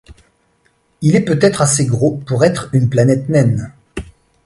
Il est peut-être assez gros pour être une planète naine.